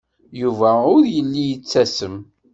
Yuba ur yelli yettasem.